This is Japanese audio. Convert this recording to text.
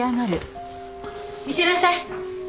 診せなさい。